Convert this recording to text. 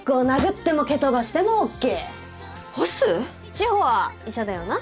志保は医者だよな？